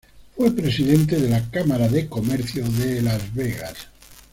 Fue Presidenta de la Cámara de Comercio de Las Vegas.